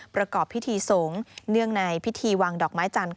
ประกอบพิธีสงฆ์เนื่องในพิธีวางดอกไม้จันทร์